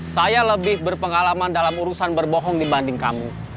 saya lebih berpengalaman dalam urusan berbohong dibanding kamu